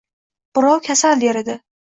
Birov — kasal der edi.